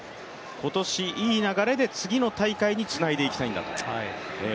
今年いい流れで次の大会につないでいきたいんだと。